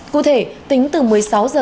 cụ thể tính từ một mươi sáu giờ